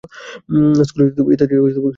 School ইত্যাদির এখনও সময় আইসে নাই।